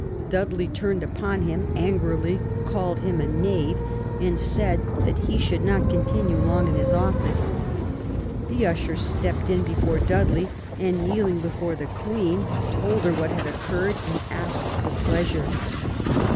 Dudley turned upon him, angrily called him a knave, and said that he should not continue long in his office. The usher stepped in before Dudley, and kneeling before the Queen, told her what had occurred and asked her pleasure.